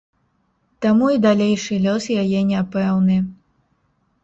Таму і далейшы лёс яе няпэўны.